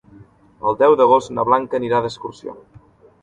El deu d'agost na Blanca anirà d'excursió.